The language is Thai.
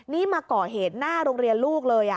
นี่มาก่อเหตุหน้าโรงเรียนลูกเลย